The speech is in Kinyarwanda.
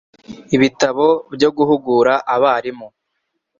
ibitabo byo guhugura abarimi